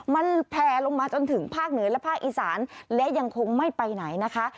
มันแผลลงมาจนถึงภาคเหนือและภาคอีสานและยังคงไม่ไปไหนนะคะ